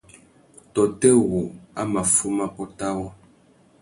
Tôtê wu a mà fuma pôt awô ?